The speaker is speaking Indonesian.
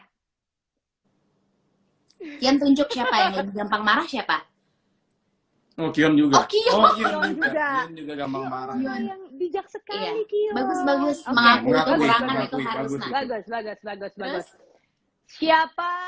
hai yang tunjuk siapa yang gampang marah siapa